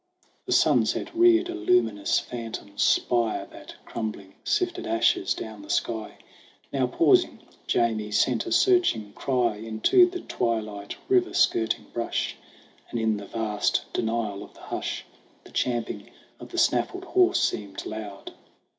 The sunset reared a luminous phantom spire That, crumbling, sifted ashes down the sky. Now, pausing, Jamie sent a searching cry Into the twilit river skirting brush, And in the vast denial of the hush The champing of the snaffled horse seemed loud.